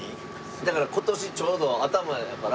だから今年ちょうど頭やから